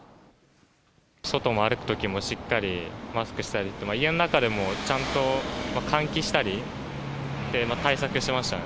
外を歩くときも、しっかりマスクしたり、家の中でもちゃんと換気したり、対策してましたね。